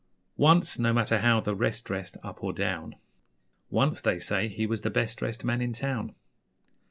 Once no matter how the rest dressed Up or down Once, they say, he was the best dressed Man in town.